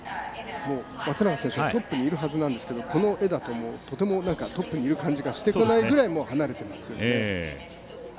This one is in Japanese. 松永選手はトップにいるはずなんですけど、この画だととてもトップにいる感じがしてこないぐらい離れてますね。